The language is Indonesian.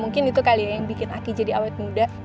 mungkin itu kali ya yang bikin aki jadi awet muda